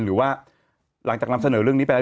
หรือว่าหลังจากนำเสนอเรื่องนี้ไปแล้ว